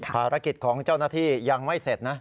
ภารกิจของเจ้าหน้าที่ยังไม่เสร็จนะ